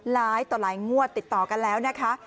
หลายต่อหลายงวดติดต่อกันแล้วนะคะ